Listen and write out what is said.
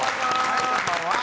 はいこんばんは。